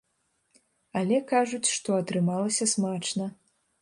Але, кажуць, што атрымалася смачна.